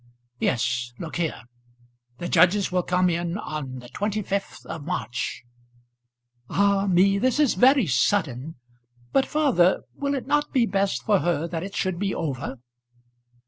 "Yes; look here: the judges will come in on the 25th of March." "Ah me this is very sudden. But, father, will it not be best for her that it should be over?"